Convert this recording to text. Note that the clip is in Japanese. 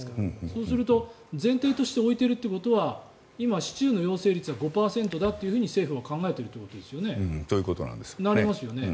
そうすると、前提として置いているということは今、市中の陽性率は５％だと政府は考えているということですよね？